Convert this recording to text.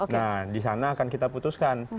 nah disana akan kita putuskan